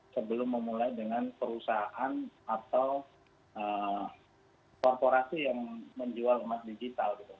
sebelum memulai dengan perusahaan atau korporasi yang menjual emas digital gitu